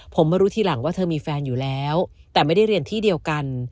ผมมารู้ทีหลังว่าเธอมีแฟนอยู่แล้วแต่ไม่ได้เรียนที่เดียวกัน